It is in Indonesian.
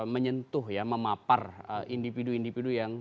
menyentuh ya memapar individu individu yang